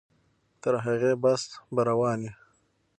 تر هغې بحث به روان وي.